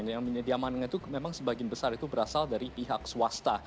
yang diamankan itu memang sebagian besar itu berasal dari pihak swasta